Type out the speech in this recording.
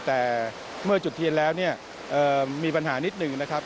แต่เมื่อจุดเทียนแล้วเนี่ยมีปัญหานิดหนึ่งนะครับ